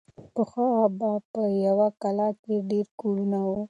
پخوا به په یوه کلا کې ډېر کورونه وو.